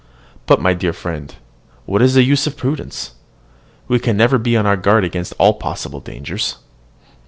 But, my dear friend, what is the use of prudence? We can never be on our guard against all possible dangers.